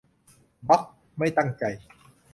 - บั๊ก ไม่ตั้งใจ